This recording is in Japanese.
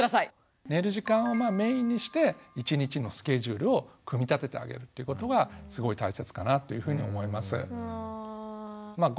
寝る時間をメインにして１日のスケジュールを組み立ててあげるということがすごい大切かなというふうに思います。